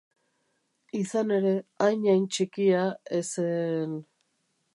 Izan ere, hain hain txikia, ezen...